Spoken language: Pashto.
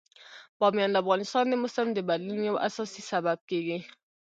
بامیان د افغانستان د موسم د بدلون یو اساسي سبب کېږي.